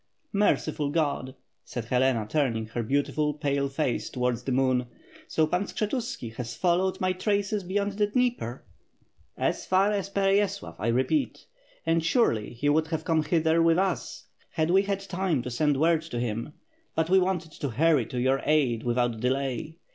"Merciful Grod!'' said Helena turning her beautiful pale face towards the moon, "so Pan Skshetuski has followed my traces beyond the Dnieper!" "As far as Pereyaslav, I repeat. And surely he would have come hither with us had we had time to send word to him; but we wanted to hurry to your aid without delay.